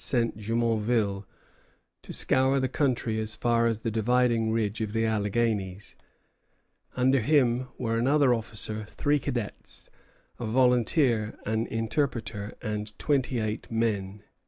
Five days before, Contrecœur had sent Jumonville to scour the country as far as the dividing ridge of the Alleghanies. Under him were another officer, three cadets, a volunteer, an interpreter, and twenty eight men.